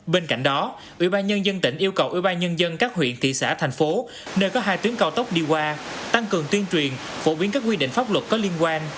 bên cạnh đó ủy ban nhân dân tỉnh yêu cầu ủy ban nhân dân các huyện thị xã thành phố nơi có hai tuyến cao tốc đi qua tăng cường tuyên truyền phổ biến các quy định pháp luật có liên quan